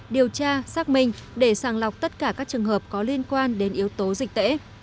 điều tra xác minh để sàng lọc tất cả các trường hợp có liên quan đến yếu tố dịch tễ